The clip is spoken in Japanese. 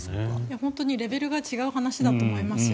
本当にレベルが違う話だと思いますよ。